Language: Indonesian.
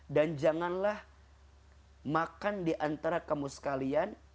dan janganlah makan diantara kamu sekalian